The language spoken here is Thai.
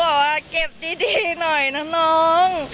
บอกว่าเก็บดีหน่อยนะน้อง